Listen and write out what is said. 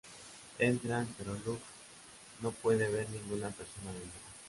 Entran, pero Locke no puede ver ninguna persona adentro.